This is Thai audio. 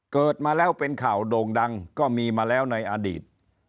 เกิดมาแล้วเป็นข่าวโด่งดังก็มีมาแล้วในอดีต